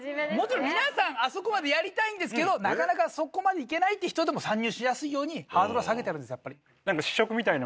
皆さんあそこまでやりたいんですけどなかなかそこまでいけない人でも参入しやすいようにハードルを下げてあるんですやっぱり。